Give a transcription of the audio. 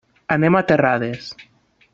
Anem a Terrades.